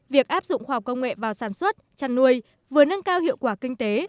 việc áp dụng khoa học công nghệ vào sản xuất chăn nuôi vừa nâng cao hiệu quả kinh tế